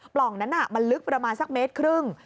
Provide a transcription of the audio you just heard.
ปล่องนั้นมันลึกประมาณสักเมตรครึ่ง